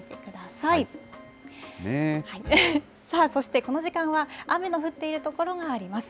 さあ、そしてこの時間は雨の降っている所があります。